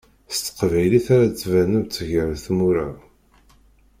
S teqbaylit ara d-banemt gar tmura.